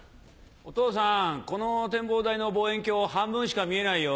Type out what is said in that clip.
「お父さんこの展望台の望遠鏡半分しか見えないよ」。